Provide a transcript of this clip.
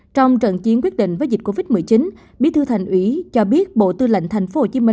trong trận chiến quyết định với dịch covid một mươi chín bí thư thành ủy cho biết bộ tư lệnh tp hcm